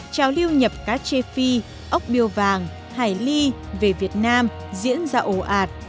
trào lưu nhập cá chép phi ốc biêu vàng hải ly về việt nam diễn ra ồ ạt